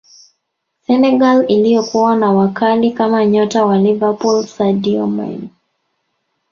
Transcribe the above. senegal iliyokuwa na wakali kama nyota wa liverpool sadio mane